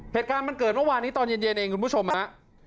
เหตุการณ์มันเกิดเมื่อวานนี้ตอนเย็นเองคุณผู้ชมฮะ